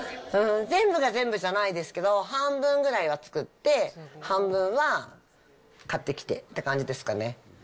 全部が全部じゃないですけど、半分ぐらいは作って、半分は買ってきてって感じですかね。